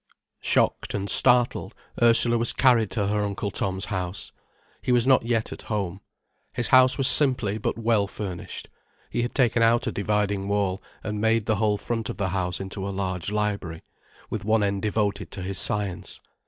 Shocked and startled, Ursula was carried to her Uncle Tom's house. He was not yet at home. His house was simply, but well furnished. He had taken out a dividing wall, and made the whole front of the house into a large library, with one end devoted to his science.